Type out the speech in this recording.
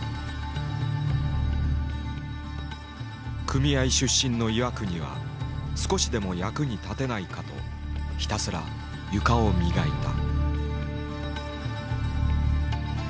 組合出身の岩國は少しでも役に立てないかとひたすら床を磨いた。